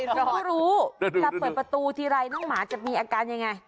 เราก็รู้จะเปิดประตูทีไรน้องหมาจะมีอาการยังไง